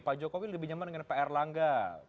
pak jokowi lebih nyaman dengan pak erlangga